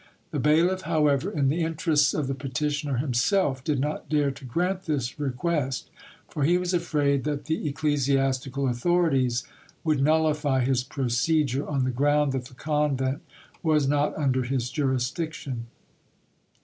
The bailiff, however, in the interests of the petitioner himself, did not dare to grant this request, for he was afraid that the ecclesiastical authorities would nullify his procedure, on the ground that the convent was not under his jurisdiction.